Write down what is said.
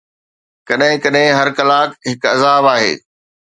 ڪڏهن ڪڏهن هر ڪلاڪ هڪ عذاب آهي